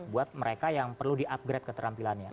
buat mereka yang perlu di upgrade keterampilannya